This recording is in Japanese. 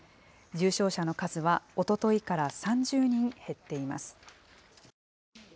重症者の数はおとといから３０人減っています。